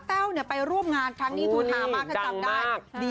แต้วไปร่วมงานครั้งนี้ถูกถามมากจำได้